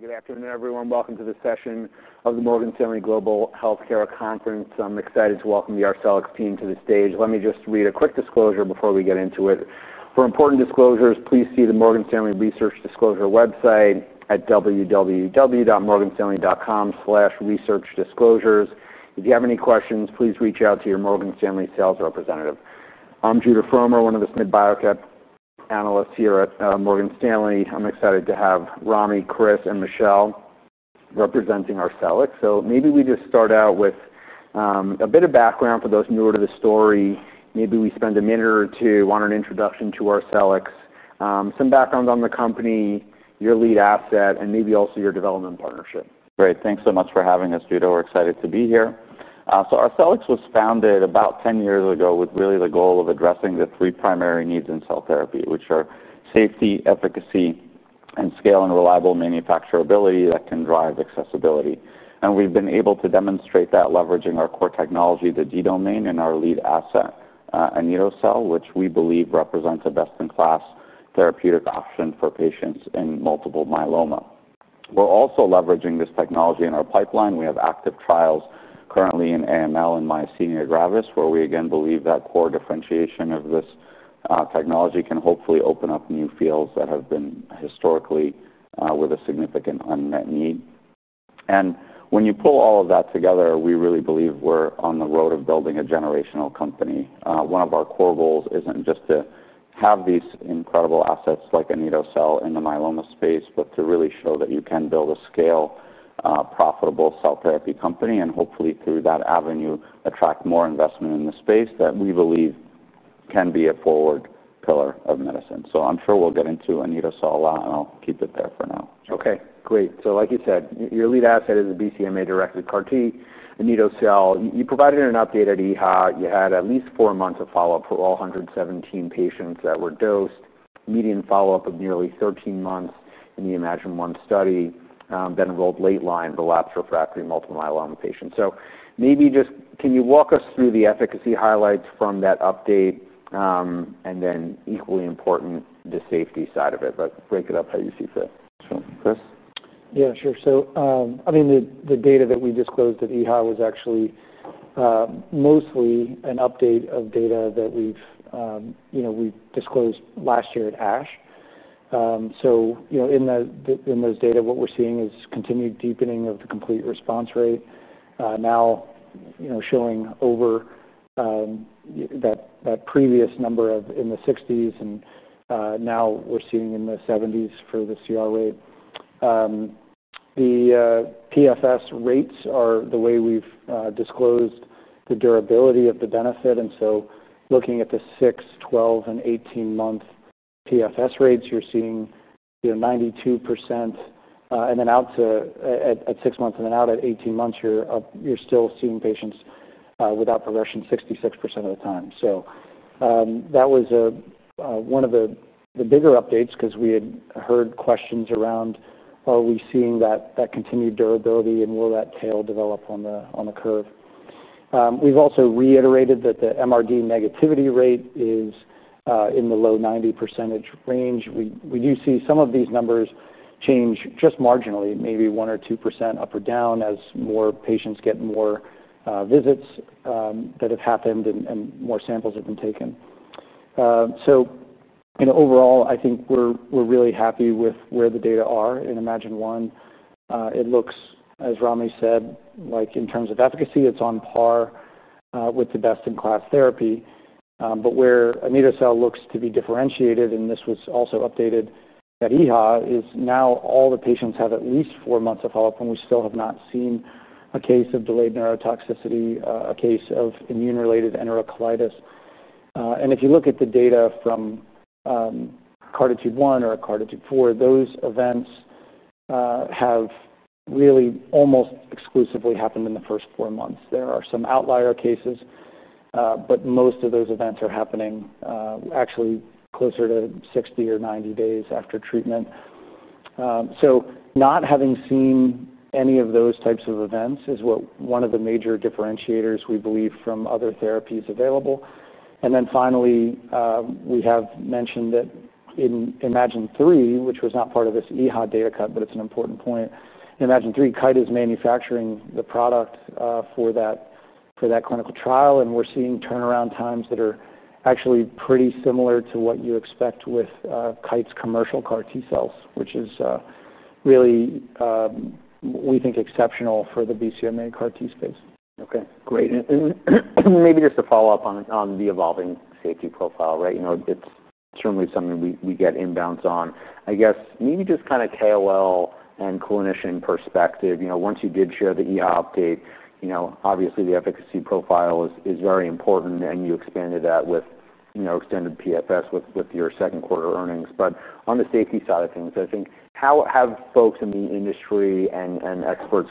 Good afternoon, everyone. Welcome to this session of the Morgan Stanley Global Healthcare Conference. I'm excited to welcome the Arcellx team to the stage. Let me just read a quick disclosure before we get into it. For important disclosures, please see the Morgan Stanley Research Disclosure website at www.morganstanley.com/researchdisclosures. If you have any questions, please reach out to your Morgan Stanley sales representative. I'm Judah Frommer, one of the SMid Cap Biotech analysts here at Morgan Stanley. I'm excited to have Rami, Chris, and Michelle representing Arcellx. Maybe we just start out with a bit of background for those newer to the story. Maybe we spend a minute or two on an introduction to Arcellx, some background on the company, your lead asset, and maybe also your development partnership. Great. Thanks so much for having us, Judah. We're excited to be here. Arcellx was founded about 10 years ago with really the goal of addressing the three primary needs in cell therapy, which are safety, efficacy, and scale and reliable manufacturability that can drive accessibility. We've been able to demonstrate that leveraging our core technology, the D-domain, and our lead asset, Anito-cel, which we believe represents a best-in-class therapeutic option for patients in multiple myeloma. We're also leveraging this technology in our pipeline. We have active trials currently in AML and myasthenia gravis, where we, again, believe that core differentiation of this technology can hopefully open up new fields that have been historically with a significant unmet need. When you pull all of that together, we really believe we're on the road of building a generational company. One of our core goals isn't just to have these incredible assets like Anito-cel in the myeloma space, but to really show that you can build a scale, profitable cell therapy company and hopefully through that avenue attract more investment in the space that we believe can be a forward pillar of medicine. I'm sure we'll get into Anito-cel a lot, and I'll keep it there for now. Okay, great. Like you said, your lead asset is the BCMA-directed CAR-T, Anito-cel. You provided an update at EHA. You had at least four months of follow-up for all 117 patients that were dosed, median follow-up of nearly 13 months, and your iMMagine-1 study that enrolled late-line, relapsed refractory multiple myeloma patients. Maybe just can you walk us through the efficacy highlights from that update, and then equally important the safety side of it, but break it up how you see fit. Chris? Yeah, sure. The data that we disclosed at EHA was actually mostly an update of data that we've disclosed last year at ASH. In those data, what we're seeing is continued deepening of the complete response rate, now showing over that previous number in the 60s, and now we're seeing in the 70s for the CR rate. The PFS rates are the way we've disclosed the durability of the benefit. Looking at the 6, 12, and 18-month PFS rates, you're seeing 92% at 6 months, and then out at 18 months, you're still seeing patients without progression 66% of the time. That was one of the bigger updates because we had heard questions around whether we are seeing that continued durability and will that tail develop on the curve. We've also reiterated that the MRD negativity rate is in the low 90% range. We do see some of these numbers change just marginally, maybe 1% or 2% up or down as more patients get more visits that have happened and more samples have been taken. Overall, I think we're really happy with where the data are in iMMagine-1. It looks, as Rami said, like in terms of efficacy, it's on par with the best-in-class therapy. Where Anito-cel looks to be differentiated, and this was also updated at EHA, is now all the patients have at least four months of follow-up, and we still have not seen a case of delayed neurotoxicity or a case of immune-related enterocolitis. If you look at the data from CAR-T2-1 or CAR-T2-4, those events have really almost exclusively happened in the first four months. There are some outlier cases, but most of those events are happening actually closer to 60 days or 90 days after treatment. Not having seen any of those types of events is one of the major differentiators we believe from other therapies available. Finally, we have mentioned that in Imagen-3, which was not part of this EHA data cut, but it's an important point. In iMMagine-3, Kite is manufacturing the product for that clinical trial, and we're seeing turnaround times that are actually pretty similar to what you expect with Kite's commercial CAR-T cells, which is really, we think, exceptional for the BCMA CAR-T space. Okay, great. Maybe just to follow up on the evolving safety profile, right? It's certainly something we get inbounds on. I guess maybe just kind of KOL and clinician perspective, once you did share the EHA update, obviously the efficacy profile is very important, and you expanded that with extended PFS with your second quarter earnings. On the safety side of things, I think how have folks in the industry and experts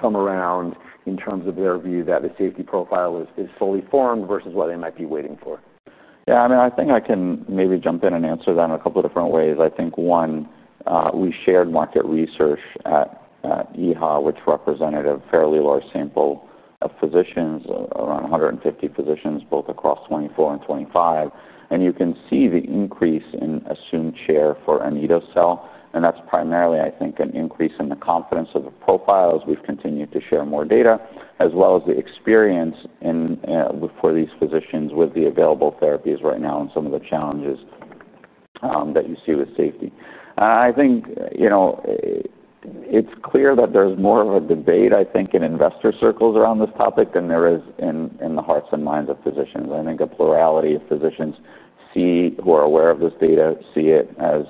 come around in terms of their view that the safety profile is fully formed versus what they might be waiting for? Yeah, I mean, I think I can maybe jump in and answer that in a couple of different ways. I think, one, we shared market research at EHA, which represented a fairly large sample of physicians, around 150 physicians, both across 2024 and 2025. You can see the increase in assumed share for Anito-cel, and that's primarily, I think, an increase in the confidence of the profile as we've continued to share more data, as well as the experience for these physicians with the available therapies right now and some of the challenges that you see with safety. I think it's clear that there's more of a debate, I think, in investor circles around this topic than there is in the hearts and minds of physicians. I think a plurality of physicians who are aware of this data see it as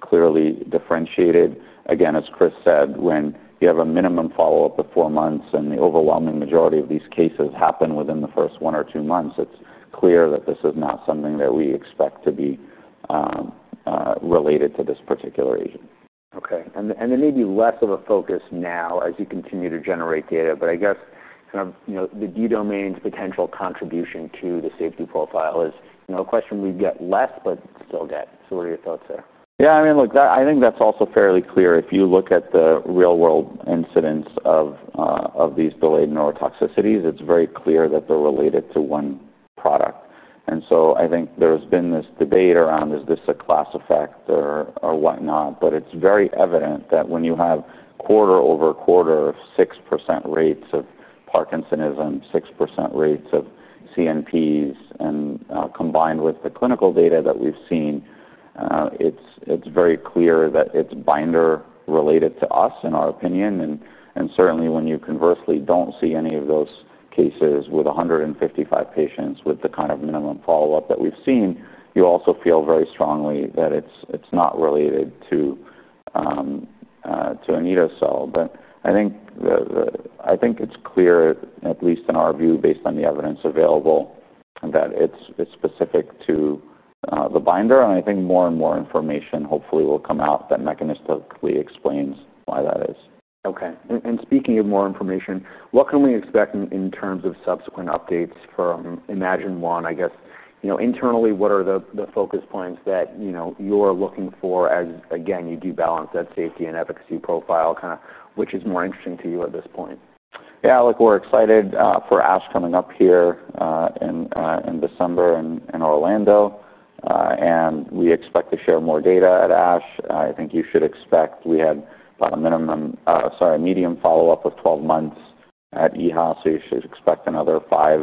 clearly differentiated. Again, as Chris said, when you have a minimum follow-up of four months and the overwhelming majority of these cases happen within the first one or two months, it's clear that this is not something that we expect to be related to this particular agent. Okay. There may be less of a focus now as you continue to generate data, but I guess, you know, the D-domain's potential contribution to the safety profile is a question we get less, but still get. What are your thoughts there? Yeah, I mean, look, I think that's also fairly clear. If you look at the real-world incidents of these delayed neurotoxicities, it's very clear that they're related to one product. I think there's been this debate around, is this a class effect or whatnot, but it's very evident that when you have quarter-over-quarter, 6% rates of Parkinsonism, 6% rates of CNPs, and, combined with the clinical data that we've seen, it's very clear that it's binder related to us, in our opinion. Certainly, when you conversely don't see any of those cases with 155 patients with the kind of minimum follow-up that we've seen, you also feel very strongly that it's not related to Anito-cel. I think it's clear, at least in our view, based on the evidence available, that it's specific to the binder. I think more and more information hopefully will come out that mechanistically explains why that is. Okay. Speaking of more information, what can we expect in terms of subsequent updates from iMMagine-1? I guess, internally, what are the focus points that you're looking for as you do balance that safety and efficacy profile, which is more interesting to you at this point? Yeah, look, we're excited for ASH coming up here in December in Orlando. We expect to share more data at ASH. I think you should expect we had a median follow-up of 12 months at EHA. You should expect another five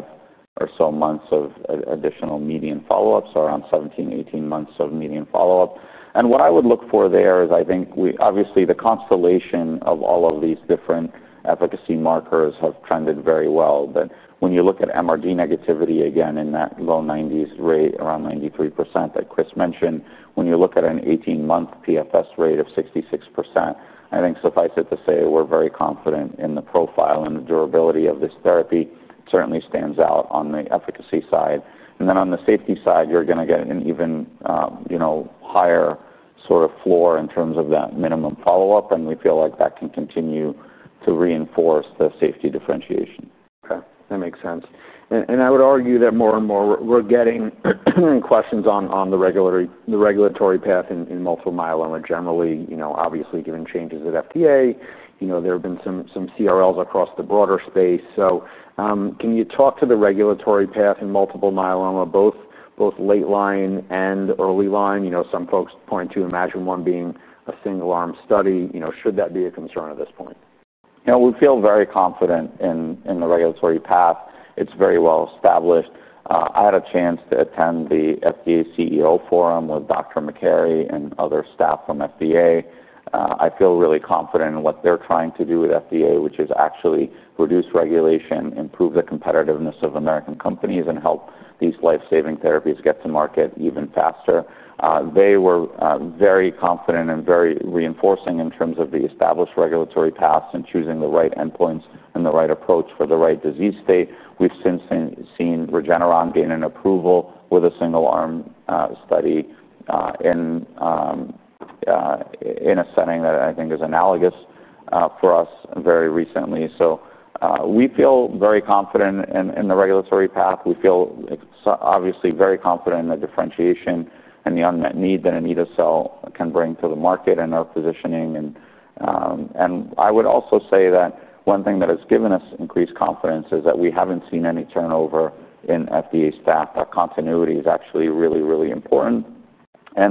or so months of additional median follow-up, so around 17, 18 months of median follow-up. What I would look for there is, I think, obviously, the constellation of all of these different efficacy markers have trended very well. When you look at MRD negativity again in that low 90s rate, around 93% that Chris mentioned, when you look at an 18-month PFS rate of 66%, I think suffice it to say we're very confident in the profile and the durability of this therapy. It certainly stands out on the efficacy side. On the safety side, you're going to get an even higher sort of floor in terms of that minimum follow-up, and we feel like that can continue to reinforce the safety differentiation. Okay. That makes sense. I would argue that more and more we're getting questions on the regulatory path in multiple myeloma. Generally, you know, obviously, given changes at FDA, there have been some CRLs across the broader space. Can you talk to the regulatory path in multiple myeloma, both late-line and early-line? Some folks point to iMMagine-1 being a single-arm study. Should that be a concern at this point? Yeah, we feel very confident in the regulatory path. It's very well established. I had a chance to attend the FDA CEO Forum with Dr. Makary and other staff from the FDA. I feel really confident in what they're trying to do with the FDA, which is actually reduce regulation, improve the competitiveness of American companies, and help these lifesaving therapies get to market even faster. They were very confident and very reinforcing in terms of the established regulatory paths and choosing the right endpoints and the right approach for the right disease state. We've since seen Regeneron gaining approval with a single-arm study in a setting that I think is analogous for us very recently. We feel very confident in the regulatory path. We feel obviously very confident in the differentiation and the unmet need that Anito-cel can bring to the market and our positioning. I would also say that one thing that has given us increased confidence is that we haven't seen any turnover in FDA staff. That continuity is actually really, really important.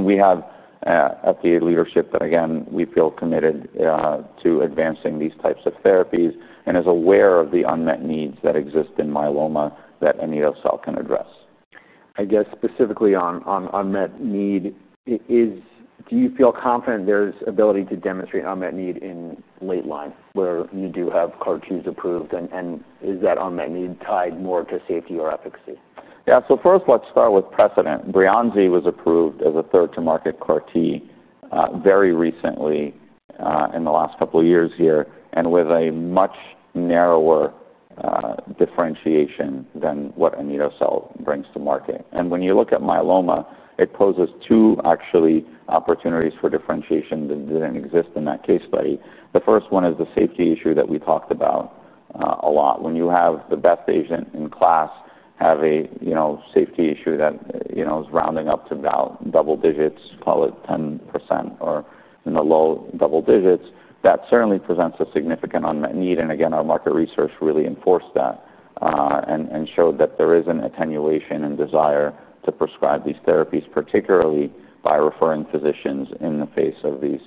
We have FDA leadership that, again, we feel committed to advancing these types of therapies and is aware of the unmet needs that exist in myeloma that Anito-cel can address. I guess specifically on unmet need, do you feel confident there's ability to demonstrate unmet need in late-line where you do have CAR-Ts approved? Is that unmet need tied more to safety or efficacy? Yeah, so first let's start with precedent. Breyanzi was approved as a third-to-market CAR-T very recently in the last couple of years here, and with a much narrower differentiation than what Anito-cel brings to market. When you look at myeloma, it poses two actually opportunities for differentiation that didn't exist in that case study. The first one is the safety issue that we talked about a lot. When you have the best agent in class have a, you know, safety issue that, you know, is rounding up to double-digits, call it 10% or in the low double-digits, that certainly presents a significant unmet need. Our market research really enforced that and showed that there is an attenuation and desire to prescribe these therapies, particularly by referring physicians in the face of these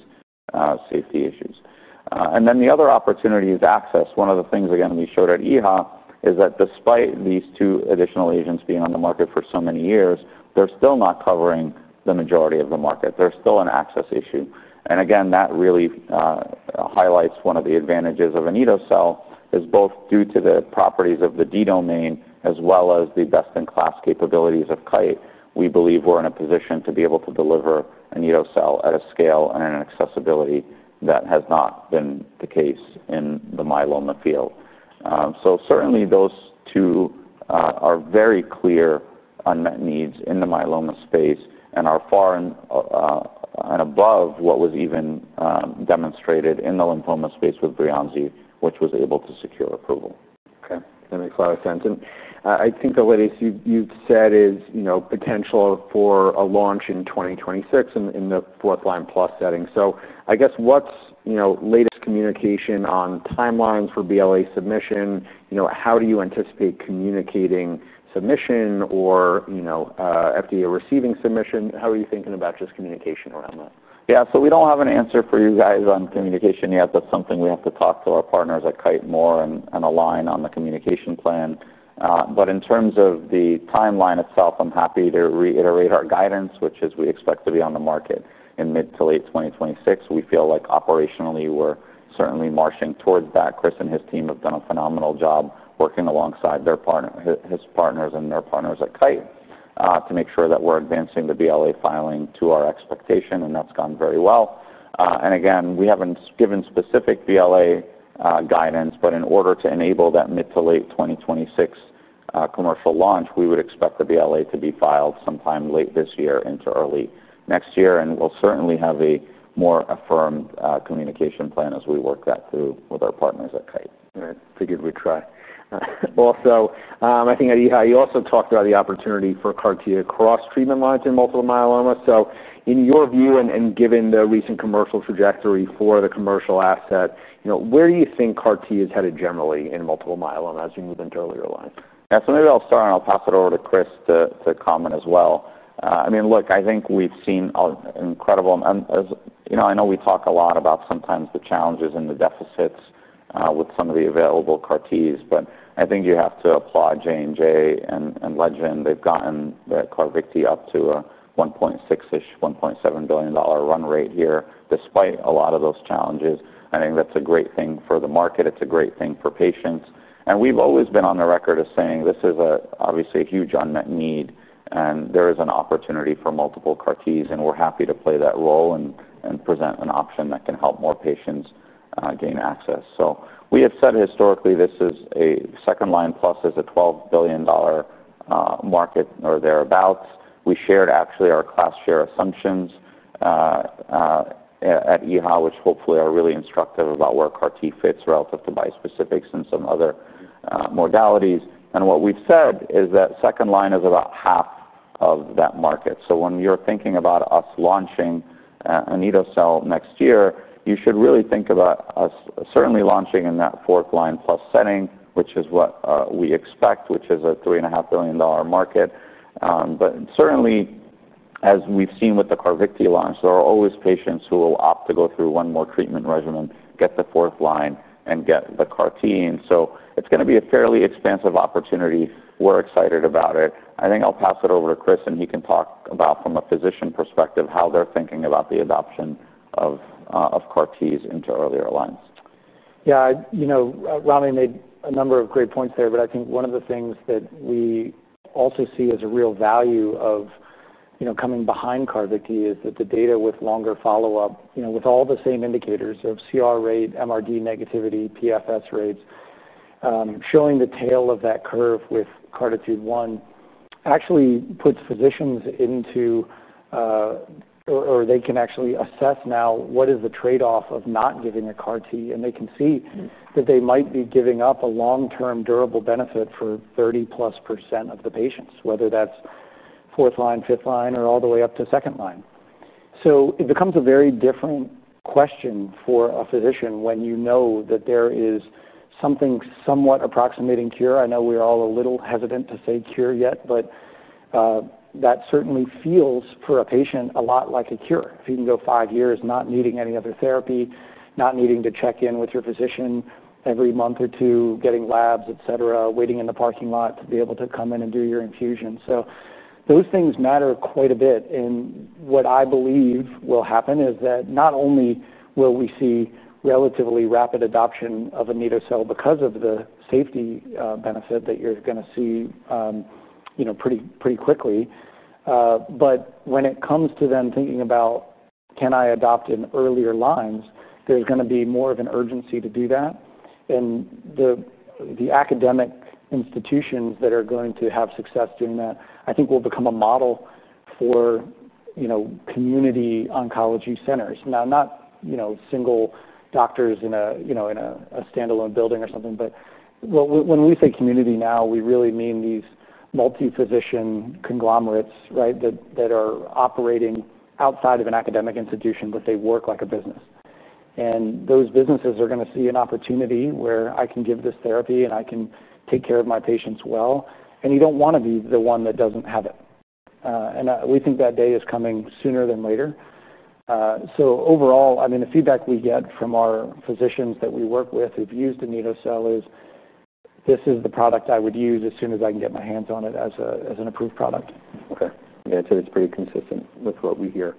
safety issues. The other opportunity is access. One of the things we showed at EHA is that despite these two additional agents being on the market for so many years, they're still not covering the majority of the market. There's still an access issue. That really highlights one of the advantages of Anito-cel, both due to the properties of the D-domain as well as the best-in-class capabilities of Kite. We believe we're in a position to be able to deliver Anito-cel at a scale and an accessibility that has not been the case in the myeloma field. Certainly, those two are very clear unmet needs in the myeloma space and are far and above what was even demonstrated in the lymphoma space with Breyanzi, which was able to secure approval. Okay. That makes a lot of sense. I think already you've said is, you know, potential for a launch in 2026 in the fourth-line+ setting. I guess what's, you know, latest communication on timelines for BLA submission? You know, how do you anticipate communicating submission or, you know, FDA receiving submission? How are you thinking about just communication around that? Yeah, so we don't have an answer for you guys on communication yet. That's something we have to talk to our partners at Kite more and align on the communication plan. In terms of the timeline itself, I'm happy to reiterate our guidance, which is we expect to be on the market in mid to late 2026. We feel like operationally we're certainly marching toward that. Chris and his team have done a phenomenal job working alongside their partner, his partners and their partners at Kite to make sure that we're advancing the BLA filing to our expectation, and that's gone very well. We haven't given specific BLA guidance, but in order to enable that mid to late 2026 commercial launch, we would expect the BLA to be filed sometime late this year into early next year. We'll certainly have a more affirmed communication plan as we work that through with our partners at Kite. All right. I figured we'd try. Also, I think at EHA, you also talked about the opportunity for CAR-T across treatment lines in multiple myeloma. In your view and given the recent commercial trajectory for the commercial asset, you know, where do you think CAR-T is headed generally in multiple myeloma as you move into early line? Yeah, so maybe I'll start and I'll pass it over to Chris to comment as well. I mean, look, I think we've seen an incredible, and as you know, I know we talk a lot about sometimes the challenges and the deficits with some of the available CAR-Ts, but I think you have to applaud J&J and Legend. They've gotten their Carvykti up to a $1.6 billion, $1.7 billion run rate here despite a lot of those challenges. I think that's a great thing for the market. It's a great thing for patients. We've always been on the record as saying this is obviously a huge unmet need and there is an opportunity for multiple CAR-Ts and we're happy to play that role and present an option that can help more patients gain access. We have said historically this is a second line plus is a $12 billion market or thereabouts. We shared actually our class share assumptions at EHA, which hopefully are really instructive about where CAR-T fits relative to bispecifics and some other modalities. What we've said is that second line is about half of that market. When you're thinking about us launching Anito-cel next year, you should really think about us certainly launching in that fourth-line+ setting, which is what we expect, which is a $3.5 billion market. Certainly, as we've seen with the Carvykti launch, there are always patients who will opt to go through one more treatment regimen, get the fourth line and get the CAR-T. It's going to be a fairly expansive opportunity. We're excited about it. I think I'll pass it over to Chris and he can talk about from a physician perspective how they're thinking about the adoption of CAR-Ts into earlier lines. Yeah, you know, Rami made a number of great points there, but I think one of the things that we also see as a real value of, you know, coming behind Carvykti is that the data with longer follow-up, you know, with all the same indicators of complete response rate, MRD negativity, PFS rates, showing the tail of that curve with CAR-T2-1 actually puts physicians into, or they can actually assess now what is the trade-off of not giving a CAR-T. They can see that they might be giving up a long-term durable benefit for 30+% of the patients, whether that's fourth-line, fifth-line, or all the way up to second-line. It becomes a very different question for a physician when you know that there is something somewhat approximating cure. I know we're all a little hesitant to say cure yet, but that certainly feels for a patient a lot like a cure. If you can go five years not needing any other therapy, not needing to check in with your physician every month or two, getting labs, et cetera, waiting in the parking lot to be able to come in and do your infusion. Those things matter quite a bit. What I believe will happen is that not only will we see relatively rapid adoption of anitocabtagene autoleucel because of the safety benefit that you're going to see, you know, pretty quickly, but when it comes to then thinking about can I adopt in earlier lines, there's going to be more of an urgency to do that. The academic institutions that are going to have success doing that, I think, will become a model for, you know, community oncology centers. Not, you know, single doctors in a, you know, in a standalone building or something, but when we say community now, we really mean these multi-physician conglomerates, right, that are operating outside of an academic institution, but they work like a business. Those businesses are going to see an opportunity where I can give this therapy and I can take care of my patients well. You don't want to be the one that doesn't have it. We think that day is coming sooner than later. Overall, I mean, the feedback we get from our physicians that we work with who've used Anito-cel is this is the product I would use as soon as I can get my hands on it as an approved product. Okay. Yeah, I'd say that's pretty consistent with what we hear.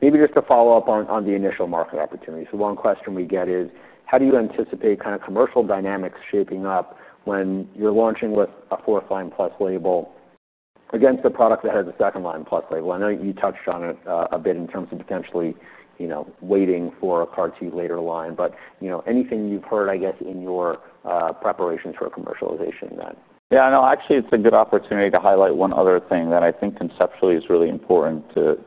Maybe just to follow up on the initial market opportunities. One question we get is how do you anticipate kind of commercial dynamics shaping up when you're launching with a fourth-line+ label against the product that has a second-line+ label? I know you touched on it a bit in terms of potentially, you know, waiting for a CAR-T later line, but anything you've heard, I guess, in your preparations for commercialization then? Yeah, no, actually, it's a good opportunity to highlight one other thing that I think conceptually is really important to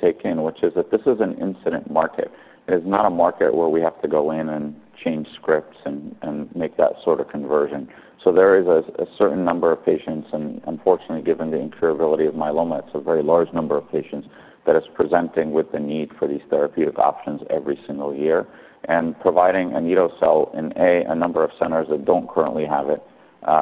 take in, which is that this is an incident market. It's not a market where we have to go in and change scripts and make that sort of conversion. There is a certain number of patients, and unfortunately, given the incurability of myeloma, it's a very large number of patients that are presenting with the need for these therapeutic options every single year. Providing Anito-cel in, A, a number of centers that don't currently have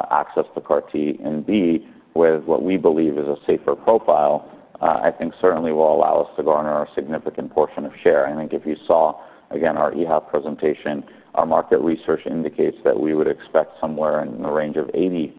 access to CAR-T, and B, with what we believe is a safer profile, I think certainly will allow us to garner a significant portion of share. If you saw, again, our EHA presentation, our market research indicates that we would expect somewhere in the range of 80%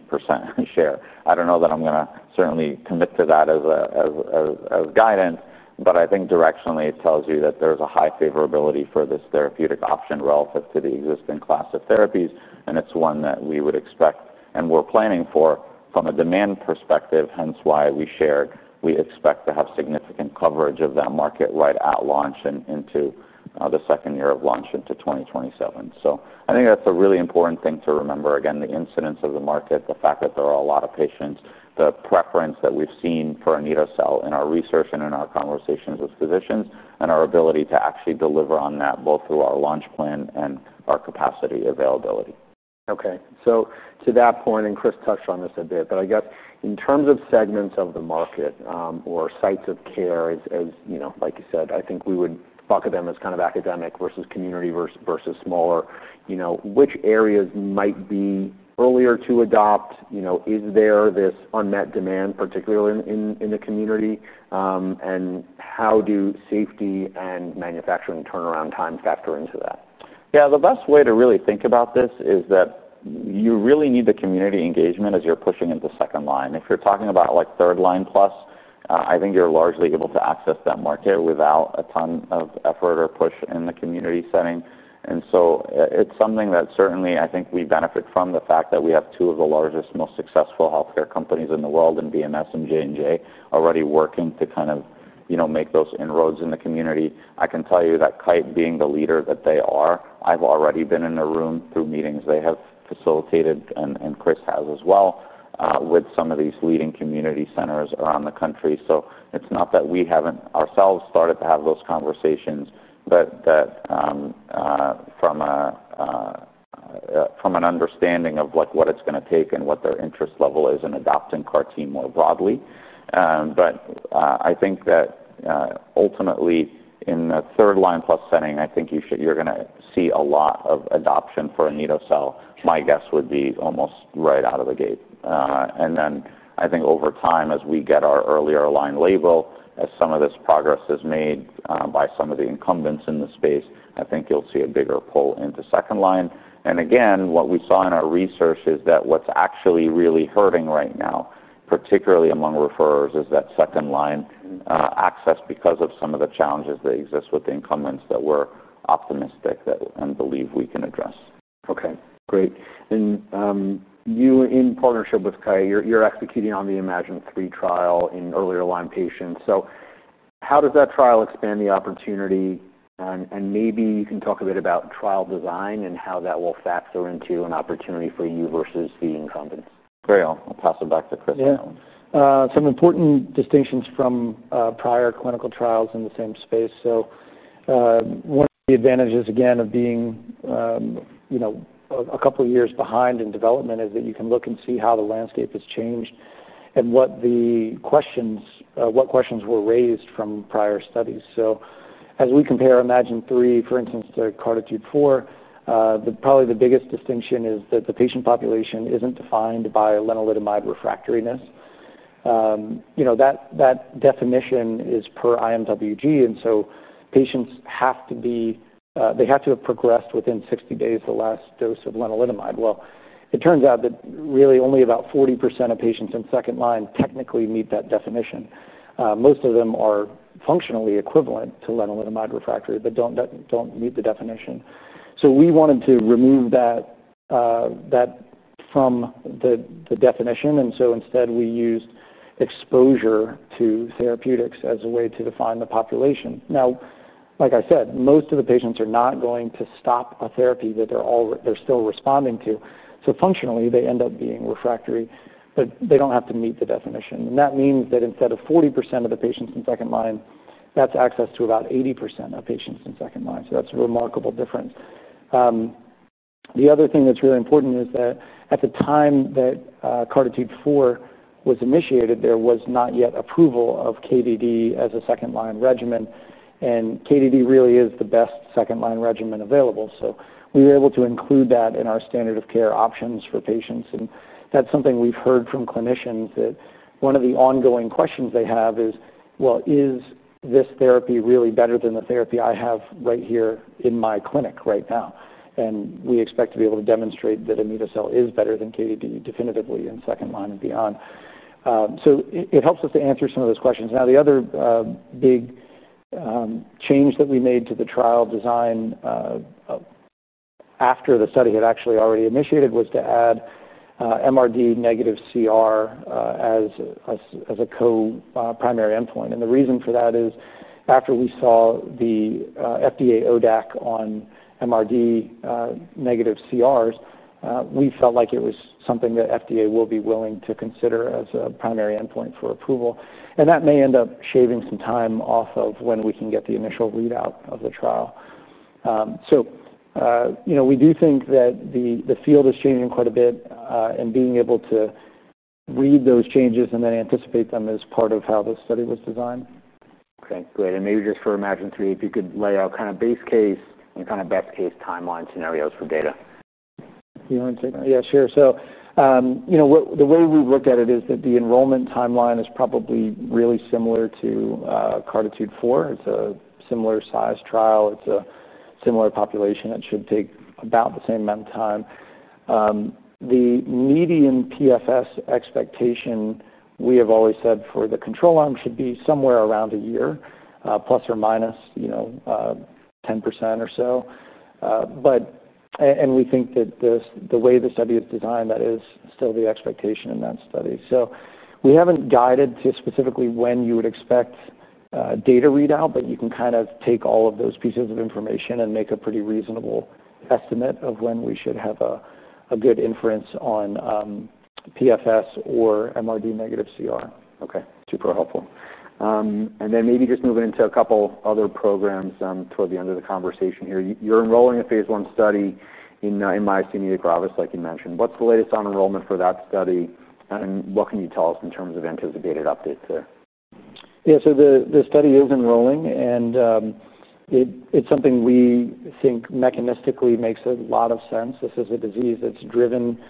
share. I don't know that I'm going to certainly commit to that as a guidance, but I think directionally it tells you that there's a high favorability for this therapeutic option relative to the existing class of therapies, and it's one that we would expect and we're planning for from a demand perspective, hence why we shared, we expect to have significant coverage of that market right at launch and into the second year of launch into 2027. I think that's a really important thing to remember. Again, the incidence of the market, the fact that there are a lot of patients, the preference that we've seen for Anito-cel in our research and in our conversations with physicians, and our ability to actually deliver on that both through our launch plan and our capacity availability. Okay. To that point, and Chris touched on this a bit, I guess in terms of segments of the market or sites of care, as you know, like you said, I think we would bucket them as kind of academic versus community versus smaller. Which areas might be earlier to adopt? Is there this unmet demand particularly in the community, and how do safety and manufacturing turnaround times factor into that? Yeah, the best way to really think about this is that you really need the community engagement as you're pushing into second line. If you're talking about like third-line+, I think you're largely able to access that market without a ton of effort or push in the community setting. It's something that certainly I think we benefit from the fact that we have two of the largest, most successful healthcare companies in the world in BMS and J&J already working to kind of make those inroads in the community. I can tell you that Kite, being the leader that they are, I've already been in a room through meetings they have facilitated and Chris has as well with some of these leading community centers around the country. It's not that we haven't ourselves started to have those conversations, but that from an understanding of like what it's going to take and what their interest level is in adopting CAR-T more broadly. I think that ultimately in the third-line+ setting, I think you should, you're going to see a lot of adoption for Anito-cel. My guess would be almost right out of the gate. I think over time as we get our earlier line label, as some of this progress is made by some of the incumbents in the space, you'll see a bigger pull into second line. What we saw in our research is that what's actually really hurting right now, particularly among referrers, is that second line access because of some of the challenges that exist with the incumbents that we're optimistic and believe we can address. Okay, great. In partnership with Kite, you're executing on the iMMagine-3 trial in earlier line patients. How does that trial expand the opportunity? Maybe you can talk a bit about trial design and how that will factor into an opportunity for you versus the incumbent. Great. I'll pass it back to Chris for that one. Yeah, some important distinctions from prior clinical trials in the same space. One of the advantages, again, of being, you know, a couple of years behind in development is that you can look and see how the landscape has changed and what questions were raised from prior studies. As we compare iMMagine-3, for instance, to CAR-T2-4, probably the biggest distinction is that the patient population isn't defined by lenalidomide refractoriness. That definition is per IMWG, and patients have to have progressed within 60 days of the last dose of lenalidomide. It turns out that really only about 40% of patients in second line technically meet that definition. Most of them are functionally equivalent to lenalidomide refractory, but don't meet the definition. We wanted to remove that from the definition. Instead, we used exposure to therapeutics as a way to define the population. Like I said, most of the patients are not going to stop a therapy that they're still responding to. Functionally, they end up being refractory, but they don't have to meet the definition. That means that instead of 40% of the patients in second line, that's access to about 80% of patients in second line. That's a remarkable difference. The other thing that's really important is that at the time that CAR-T2-4 was initiated, there was not yet approval of KDd as a second line regimen. KDd really is the best second line regimen available. We were able to include that in our standard of care options for patients. That's something we've heard from clinicians, that one of the ongoing questions they have is, is this therapy really better than the therapy I have right here in my clinic right now? We expect to be able to demonstrate that Anito-cel is better than KDd definitively in second line and beyond. It helps us to answer some of those questions. The other big change that we made to the trial design after the study had actually already initiated was to add MRD-negative CR as a co-primary endpoint. The reason for that is after we saw the FDA ODAC on MRD-negative CRs, we felt like it was something that FDA will be willing to consider as a primary endpoint for approval. That may end up shaving some time off of when we can get the initial readout of the trial. We do think that the field is changing quite a bit and being able to read those changes and then anticipate them is part of how the study was designed. Okay, great. Maybe just for iMMagine-3, if you could lay out kind of base case and kind of best case timeline scenarios for data. You want to take that? Yeah, sure. The way we look at it is that the enrollment timeline is probably really similar to CAR-T2-4. It's a similar size trial. It's a similar population. It should take about the same amount of time. The median PFS expectation we have always said for the control arm should be somewhere around a year, ±10% or so. We think that the way the study is designed, that is still the expectation in that study. We haven't guided to specifically when you would expect data readout, but you can kind of take all of those pieces of information and make a pretty reasonable estimate of when we should have a good inference on PFS or MRD-negative CR. Okay, super helpful. Maybe just moving into a couple other programs toward the end of the conversation here. You're enrolling a phase one study in Myasthenia gravis, like you mentioned. What's the latest on enrollment for that study? What can you tell us in terms of anticipated updates there? Yeah, the study is enrolling, and it's something we think mechanistically makes a lot of sense. This is a disease that's driven by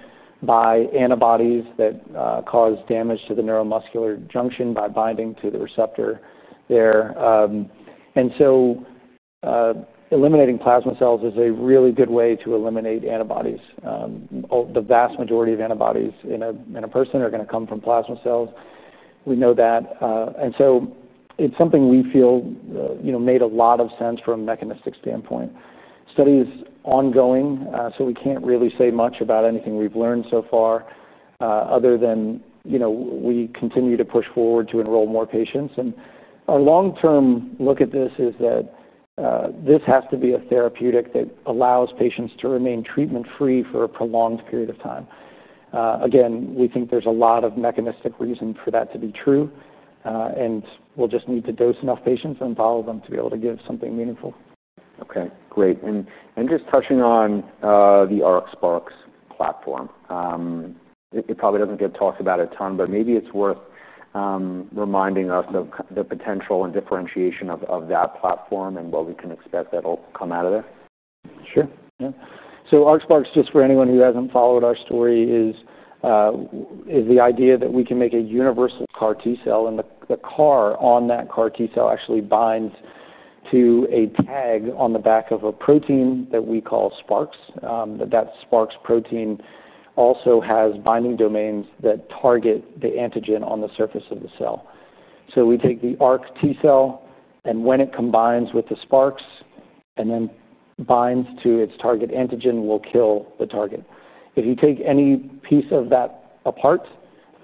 antibodies that cause damage to the neuromuscular junction by binding to the receptor there. Eliminating plasma cells is a really good way to eliminate antibodies. The vast majority of antibodies in a person are going to come from plasma cells. We know that. It's something we feel made a lot of sense from a mechanistic standpoint. The study is ongoing, so we can't really say much about anything we've learned so far other than we continue to push forward to enroll more patients. Our long-term look at this is that this has to be a therapeutic that allows patients to remain treatment-free for a prolonged period of time. We think there's a lot of mechanistic reason for that to be true, and we'll just need to dose enough patients and follow them to be able to give something meaningful. Okay, great. Just touching on the ARC-SparX platform, it probably doesn't get talked about a ton, but maybe it's worth reminding of the potential and differentiation of that platform and what we can expect that'll come out of there. Sure. Yeah. ARC-SparX, just for anyone who hasn't followed our story, is the idea that we can make a universal CAR-T cell, and the CAR on that CAR-T cell actually binds to a tag on the back of a protein that we call SparX. That SparX protein also has binding domains that target the antigen on the surface of the cell. We take the ARC-T cell, and when it combines with the SparX and then binds to its target antigen, it will kill the target. If you take any piece of that apart,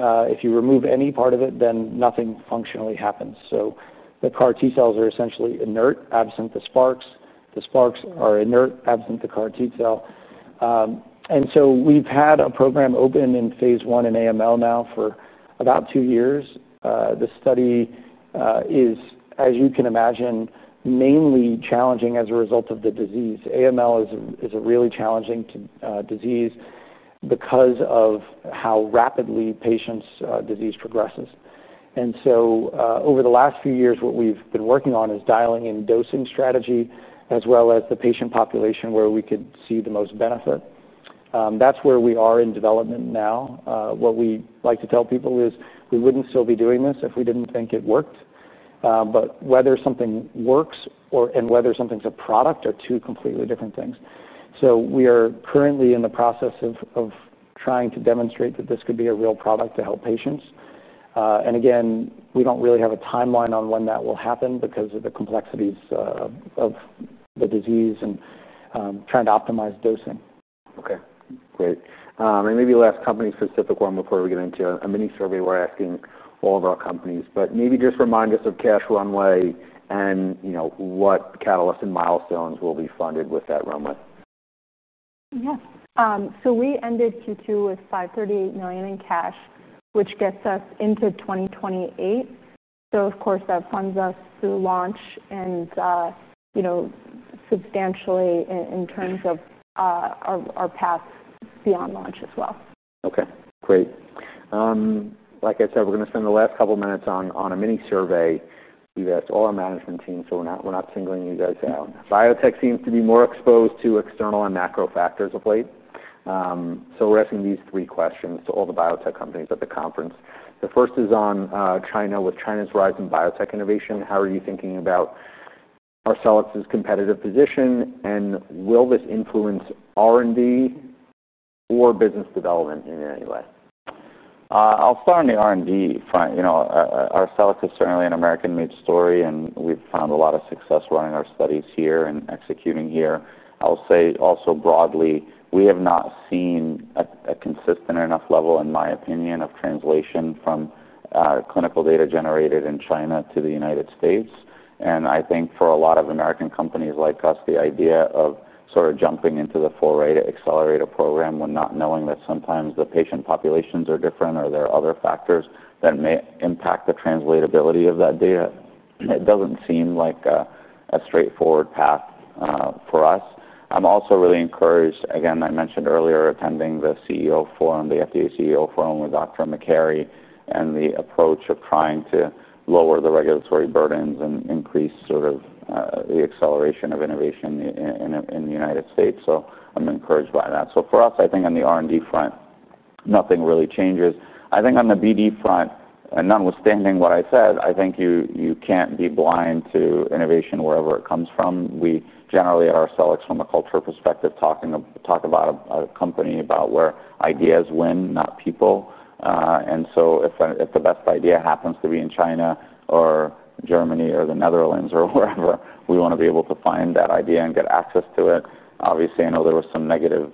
if you remove any part of it, then nothing functionally happens. The CAR-T cells are essentially inert, absent the SparX. The SparX are inert, absent the CAR-T cell. We've had a program open in phase one in AML now for about two years. The study is, as you can imagine, mainly challenging as a result of the disease. AML is a really challenging disease because of how rapidly patients' disease progresses. Over the last few years, what we've been working on is dialing in dosing strategy as well as the patient population where we could see the most benefit. That's where we are in development now. What we like to tell people is we wouldn't still be doing this if we didn't think it worked. Whether something works and whether something's a product are two completely different things. We are currently in the process of trying to demonstrate that this could be a real product to help patients. We don't really have a timeline on when that will happen because of the complexities of the disease and trying to optimize dosing. Okay, great. Maybe the last company-specific one before we get into a mini survey we're asking all of our companies, but maybe just remind us of cash runway and what catalysts and milestones will be funded with that runway. Yeah, we ended Q2 with $538 million in cash, which gets us into 2028. That funds us through launch and, you know, substantially in terms of our paths beyond launch as well. Okay, great. Like I said, we're going to spend the last couple of minutes on a mini survey. That's all our management team, so we're not singling you guys out. Biotech seems to be more exposed to external and macro-factors of late. We're asking these three questions to all the biotech companies at the conference. The first is on China. With China's rise in biotech innovation, how are you thinking about Arcellx's competitive position, and will this influence R&D or business development in any way? I'll start on the R&D. Arcellx is certainly an American-made story, and we've found a lot of success running our studies here and executing here. I'll say also broadly, we have not seen a consistent enough level, in my opinion, of translation from clinical data generated in China to the U.S. I think for a lot of American companies like us, the idea of sort of jumping into the full rate accelerator program when not knowing that sometimes the patient populations are different or there are other factors that may impact the translatability of that data, it doesn't seem like a straightforward path for us. I'm also really encouraged, again, I mentioned earlier, attending the CEO Forum, the FDA CEO Forum with Dr. Makary, and the approach of trying to lower the regulatory burdens and increase sort of the acceleration of innovation in the U.S. I'm encouraged by that. For us, I think on the R&D front, nothing really changes. I think on the BD front, and notwithstanding what I said, I think you can't be blind to innovation wherever it comes from. We generally at Arcellx, from a culture perspective, talk about a company about where ideas win, not people. If the best idea happens to be in China or Germany or the Netherlands or wherever, we want to be able to find that idea and get access to it. Obviously, I know there were some negative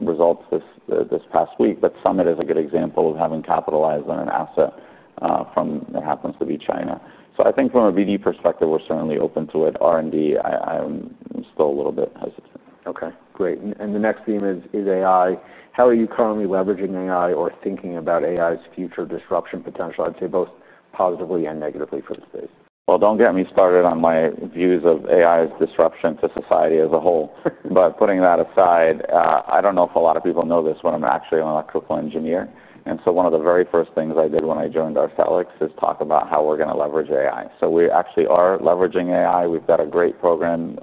results this past week, but Summit is a good example of having capitalized on an asset from what happens to be China. I think from a BD perspective, we're certainly open to it. R&D, I'm still a little bit hesitant. Okay, great. The next theme is AI. How are you currently leveraging AI or thinking about AI's future disruption potential? I'd say both positively and negatively for the space. I don't know if a lot of people know this, but I'm actually an electrical engineer. One of the very first things I did when I joined Arcellx is talk about how we're going to leverage AI. We actually are leveraging AI. We've got a great program.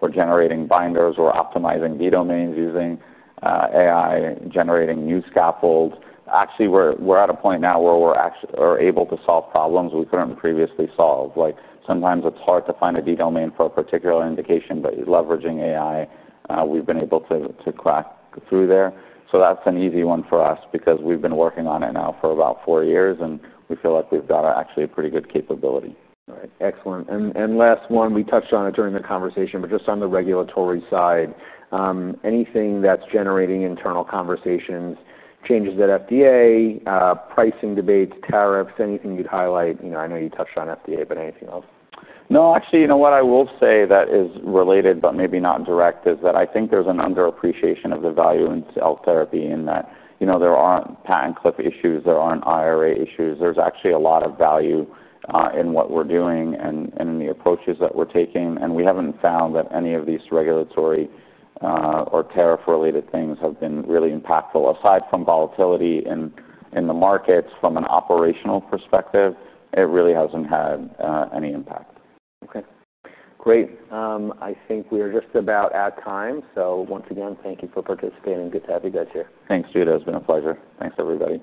We're generating binders. We're optimizing D-domains using AI, generating new scaffold. We're at a point now where we're actually able to solve problems we couldn't previously solve. Sometimes it's hard to find a D-domain for a particular indication, but leveraging AI, we've been able to crack through there. That's an easy one for us because we've been working on it now for about four years, and we feel like we've got actually a pretty good capability. All right, excellent. Last one, we touched on it during the conversation, just on the regulatory side, anything that's generating internal conversations, changes that FDA, pricing debates, tariffs, anything you'd highlight? I know you touched on FDA, but anything else? No, actually, what I will say that is related, but maybe not direct, is that I think there's an underappreciation of the value in cell therapy in that there aren't patent cliff issues. There aren't IRA issues. There's actually a lot of value in what we're doing and in the approaches that we're taking. We haven't found that any of these regulatory or tariff-related things have been really impactful. Aside from volatility in the markets, from an operational perspective, it really hasn't had any impact. Okay, great. I think we are just about at time. Once again, thank you for participating. Good to have you guys here. Thanks, Judah. It's been a pleasure. Thanks, everybody.